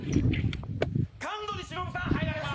神取忍さん入られます。